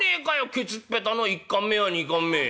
ケツっぺたの１貫目や２貫目。